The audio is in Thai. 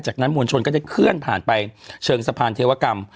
จากนั้นมวลชนก็ได้เคลื่อนผ่านไปเชิงสะพานเทวกรรม